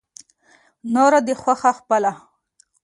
نوره دې خوښه خپله.